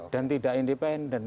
dan tidak independen